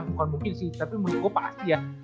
bukan mungkin sih tapi menurut gue pasti ya